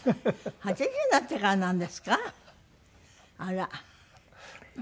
８０になってからなんですか？